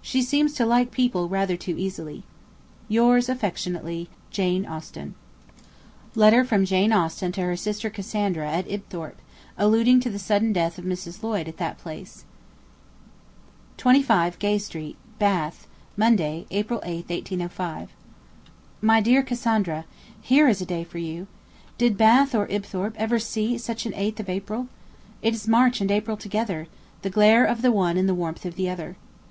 She seems to like people rather too easily. 'Yours affectly, 'J. A.' Letter from Jane Austen to her sister Cassandra at Ibthorp, alluding to the sudden death of Mrs. Lloyd at that place: '25 Gay Street (Bath), Monday, April 8, 1805. 'MY DEAR CASSANDRA, Here is a day for you. Did Bath or Ibthorp ever see such an 8th of April? It is March and April together; the glare of the one and the warmth of the other.